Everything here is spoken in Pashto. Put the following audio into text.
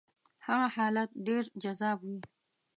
هغه حالت ډېر جذاب وي.